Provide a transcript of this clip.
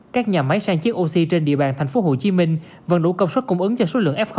các nhà máy sang chiếc oxy trên địa bàn tp hcm vẫn đủ công suất cung ứng cho số lượng f hai